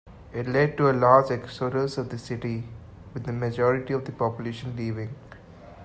It led to a large exodus of the city, with a majority of the population leaving.